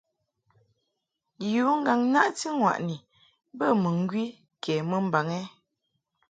Yu ŋgàŋ-naʼti-ŋwàʼni bə mɨŋgwi kɛ mɨmbaŋ ɛ ?